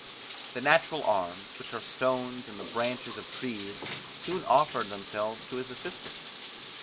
The natural arms, which are stones and the branches of trees, soon offered themselves to his assistance.